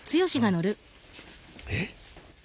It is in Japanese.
えっ。